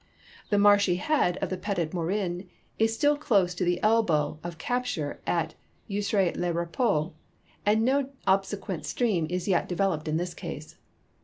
The marshy head of the Petit Morin is still close to the elbow of ca})ture at Ecury le Uepos, and no obscquent stream is yet developed in this case.